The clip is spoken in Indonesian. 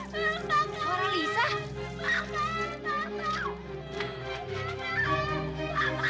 kemarin tidak boleh gagal